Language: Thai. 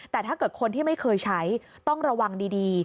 แต่ถ้าเกิดคนที่ไม่เคยใช้ต้องระวังดี